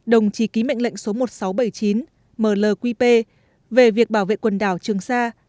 đồng chí ký mệnh lệnh số một nghìn sáu trăm bảy mươi chín mlqp về việc bảo vệ quần đảo trường sa